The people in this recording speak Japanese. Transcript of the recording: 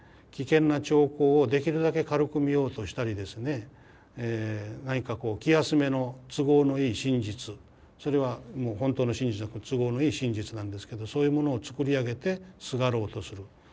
危険な兆候をできるだけ軽く見ようとしたりですね何かこう気休めの都合のいい真実それは本当の真実じゃなく都合のいい真実なんですけどそういうものを作り上げてすがろうとする。